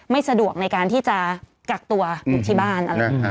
ไม่สะดวกในการที่จะกักตัวที่บ้าน